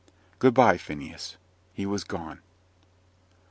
Good bye, Phineas." He was gone.